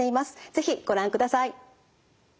是非ご覧ください。